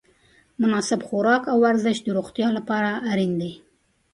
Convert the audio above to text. مناسب خوراک او ورزش د روغتیا لپاره اړین دي.